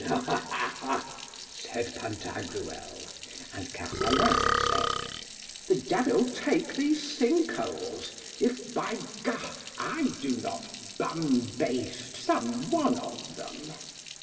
Ha, ha, ha, ha, said Pantagruel. And Carpalin said: The devil take these sink holes, if, by G , I do not bumbaste some one of them.